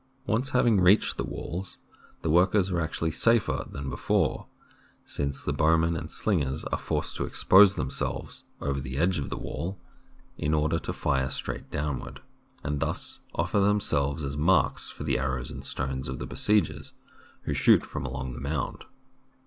Once having reached the walls, the workers are actually safer than be fore, since the bowmen and slingers are forced to expose themselves over the edge of the wall in order THE BOOK OF FAMOUS SIEGES to fire straight downward, and thus offer them selves as marks for the arrows and stones of the besiegers who shoot from along the mound.